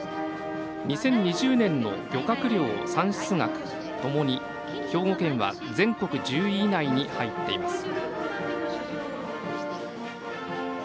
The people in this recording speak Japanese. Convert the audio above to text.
２０２０年の漁獲量・産出額ともに兵庫県は全国１０位以内に入っています。